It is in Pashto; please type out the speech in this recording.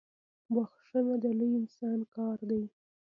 بخښنه د لوی انسان کار دی.